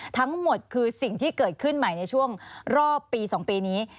ทั้งหมดคือสิ่งที่เกิดขึ้นใหม่ในช่วงรอบปี๒ปีนี้